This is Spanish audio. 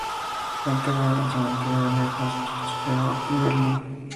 Fue enterrado en el Cementerio Alter St.-Matthäus-Kirchhof de Berlín.